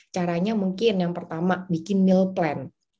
caranya mungkin yang pertama bikin meal plan